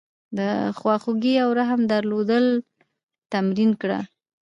د خواخوږۍ او رحم درلودل تمرین کړه.